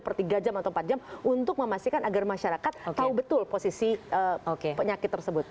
per tiga jam atau empat jam untuk memastikan agar masyarakat tahu betul posisi penyakit tersebut